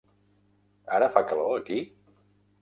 Ara fa calor aquí?